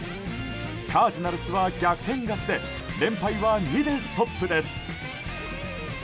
カージナルスは逆転勝ちで連敗は２でストップです。